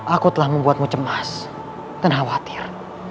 aku telah membuatmu cemas dan khawatir